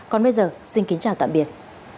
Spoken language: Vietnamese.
còn bây giờ xin kính chào tạm biệt